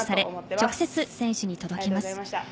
直接選手に届きます。